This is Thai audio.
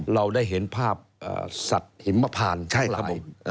เราได้เห็นภาพสัตว์หิมพานของเรา